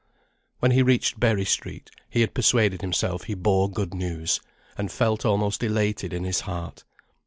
When he reached Berry Street, he had persuaded himself he bore good news, and felt almost elated in his heart.